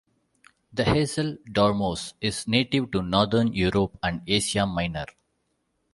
The hazel dormouse is native to northern Europe and Asia Minor.